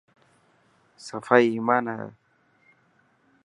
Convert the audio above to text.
صفائي ايمان هي.